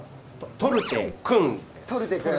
トルテくん。